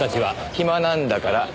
暇なんだから。